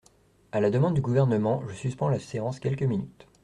À la demande du Gouvernement, je suspends la séance quelques minutes.